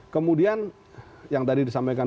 kemudian yang tadi disampaikan